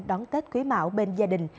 đón tết quý mạo bên gia đình